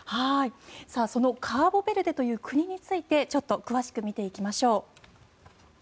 そのカボベルデという国について詳しく見ていきましょう。